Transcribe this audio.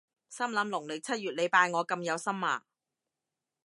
心諗農曆七月你拜我咁有心呀？